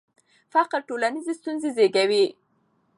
فقر ټولنیزې ستونزې زیږوي.